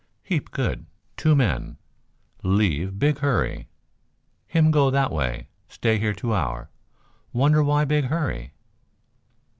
"Heap good. Two men. Leave, big hurry. Him go that way. Stay here two hour. Wonder why big hurry?"